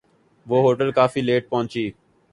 وہ ہوٹل کافی لیٹ پہنچی